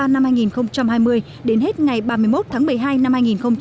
năm hai nghìn hai mươi đến hết ngày ba mươi một tháng một mươi hai năm hai nghìn hai mươi